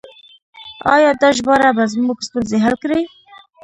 آیا دا ژباړه به زموږ ستونزې حل کړي؟